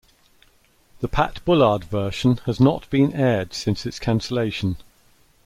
The Pat Bullard version has not been aired since its cancellation.